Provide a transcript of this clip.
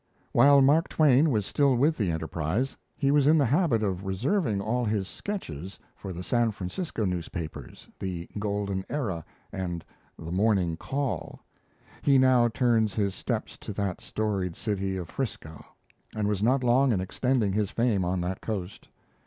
While Mark Twain was still with the Enterprise, he was in the habit of reserving all his "sketches" for the San Francisco newspapers, the 'Golden Era' and the 'Morning Call'. He now turns his steps to that storied city of "Frisco," and was not long in extending his fame on that coast.